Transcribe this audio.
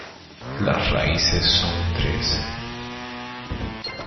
Las raíces son tres.